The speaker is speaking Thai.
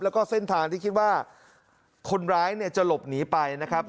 แล้วก็เส้นทางที่คิดว่าคนร้ายเนี่ยจะหลบหนีไปนะครับ